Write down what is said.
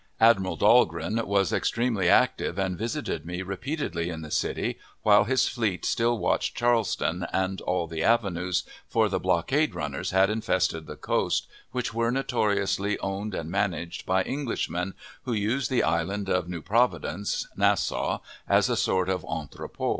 Admiral Dahlgren was extremely active, visited me repeatedly in the city, while his fleet still watched Charleston, and all the avenues, for the blockade runners that infested the coast, which were notoriously owned and managed by Englishmen, who used the island of New Providence (Nassau) as a sort of entrepot.